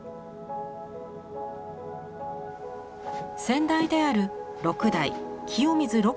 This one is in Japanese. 先代である６代清水六